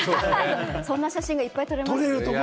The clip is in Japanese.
こんな写真いっぱい撮れます。